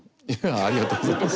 ありがとうございます。